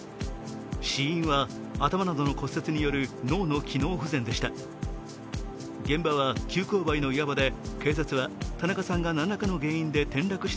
死因は頭などの骨折による脳の機能不全でした。